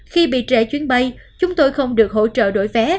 khi bị trễ chuyến bay chúng tôi không được hỗ trợ đổi vé